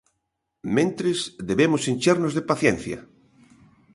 Mentres, debemos enchernos de paciencia.